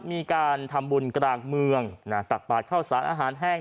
มีการทำบุญกลางเมืองตักบาดเข้าสารอาหารแห้ง